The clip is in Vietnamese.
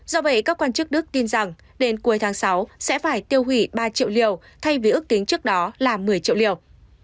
do vậy các quan chức đức tin rằng đến cuối tháng sáu sẽ phải tiêu hủy ba triệu liều thay vì ước tính trước đó là một mươi triệu liều